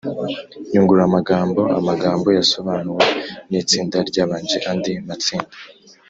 nyunguramagambo amagambo yasobanuwe n’itsinda ryabanje andi matsinda